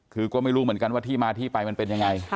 คือก็ไม่รู้เหมือนกันว่าที่มาที่ไปมันเป็นยังไง